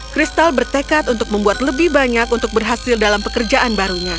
kristal bertekad untuk membuat lebih banyak untuk berhasil dalam pekerjaan barunya